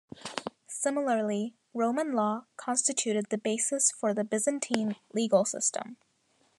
Similarly, Roman law constituted the basis for the Byzantine legal system.